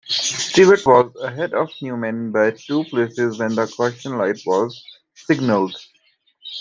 Stewart was ahead of Newman by two places when the caution light was signaled.